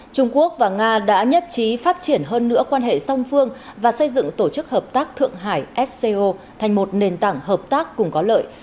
trung quốc và nga đã nhất trí phát triển hơn nữa quan hệ song phương và xây dựng tổ chức hợp tác thượng hải sco thành một nền tảng hợp tác cùng có lợi